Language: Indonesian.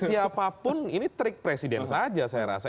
siapapun ini trik presiden saja saya rasa